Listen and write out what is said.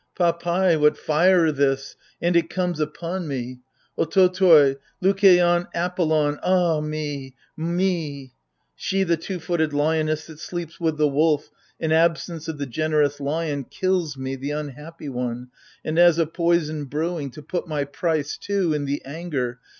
Papai : what fire this ! and it comes upon me ! Ototoi, Lukeion Apollon, ah me — me ! She, the two footed lioness that sleeps with The wolf, in absence of the generous lion. Kills me the unhappy one : and as a poison Brewing, to put my price too in the anger.